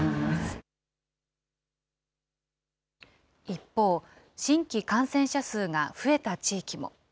一方、新規感染者数が増えた地域も。